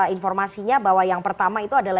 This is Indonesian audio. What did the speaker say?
informasinya bahwa yang pertama itu adalah